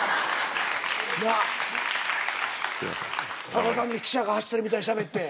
ただ単に汽車が走ってるみたいにしゃべって。